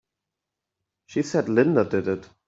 She said Linda did it!